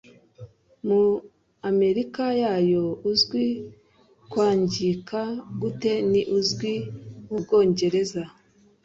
Mu Amerika yayo uzwi kwangika gute ni uzwi mu Bwongereza?